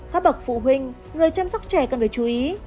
các bậc phụ huynh người chăm sóc trẻ cần phải chú ý